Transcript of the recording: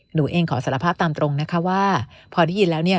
หนูเองขอสารภาพตามตรงนะคะว่าพอได้ยินแล้วเนี่ย